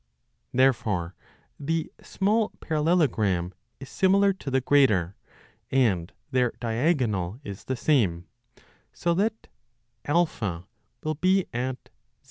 Therefore the small parallelo 20 gram is similar to the greater, and their diagonal is the same, so that A will be at Z.